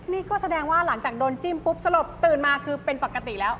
นี่ก็แสดงว่าหลังจากโดนจิ้มปุ๊บสลบตื่นมาคือเป็นปกติแล้ว